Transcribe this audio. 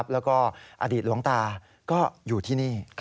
แล้วก็อดีตหลวงตาก็อยู่ที่นี่